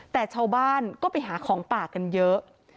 แต่ชาวบ้านก็ไปหาของป่ากันเยอะ